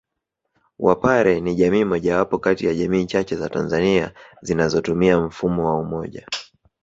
Wapare ni jamii mojawapo kati ya jamii chache za Tanzania zinazotumia mfumo wa Umoja